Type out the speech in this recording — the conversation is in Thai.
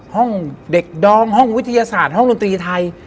ห้องเด็กดองห้องวิทยาศาสตร์ห้องดนตรีไทย